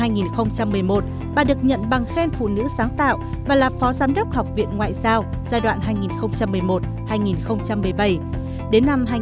năm hai nghìn một mươi một bà được nhận bằng khen phụ nữ sáng tạo và là phó giám đốc học viện ngoại giao giai đoạn hai nghìn một mươi một hai nghìn một mươi bảy